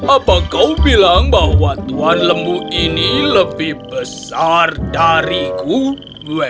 apa kau bilang bahwa tuan lembu ini lebih besar dari gua